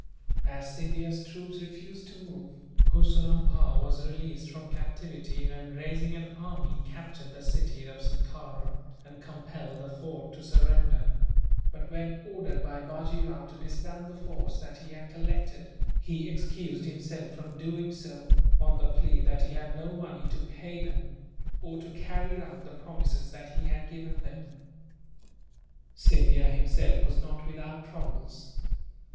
As Scindia's troops refused to move, Purseram Bhow was released from captivity and, raising an army, captured the city of Satara, and compelled the fort to surrender; but when ordered by Bajee Rao to disband the force that he had collected, he excused himself from doing so, on the plea that he had no money to pay them, or to carry out the promises that he had given them. Scindia himself was not without troubles.